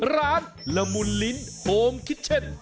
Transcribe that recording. ละมุนลิ้นโฮมคิชเช่น